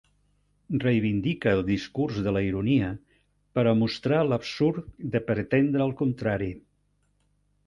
Reivindica el discurs de la ironia per a mostrar l'absurd de pretendre el contrari.